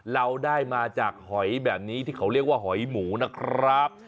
เราได้มาจากหอยแบบนี้ที่เขาเรียกว่าหอยหมูนะครับ